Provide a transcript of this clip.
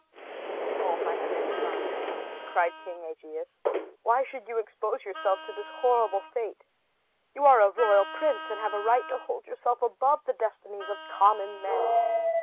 "O my dear son," cried King Aegeus, "why should you expose yourself to this horrible fate? You are a royal prince, and have a right to hold yourself above the destinies of common men."